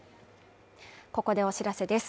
ここでお知らせです。